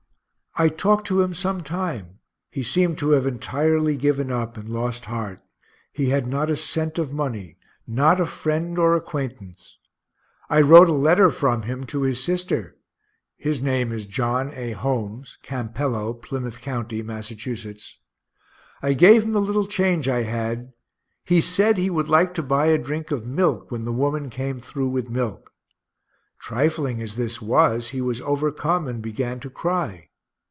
I talked to him some time he seemed to have entirely given up, and lost heart he had not a cent of money not a friend or acquaintance. I wrote a letter from him to his sister his name is John A. Holmes, Campello, Plymouth county, Mass. I gave him a little change I had he said he would like to buy a drink of milk when the woman came through with milk. Trifling as this was, he was overcome and began to cry.